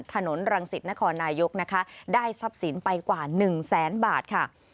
ถนนรังสิตนครนายกนะคะได้ทรัพย์สินไปกว่า๑แสนบาทค่ะ